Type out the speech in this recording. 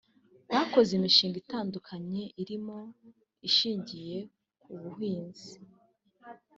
Bakoze imishinga itandukanye irimo ishingiye ku buhinzi